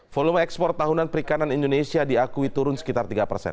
volume ekspor tahunan perikanan indonesia diakui turun sekitar tiga persen